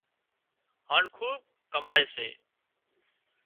هانَ خوٻ ڪمائي سي